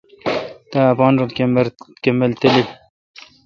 تا اپین رل کمبل تالیل۔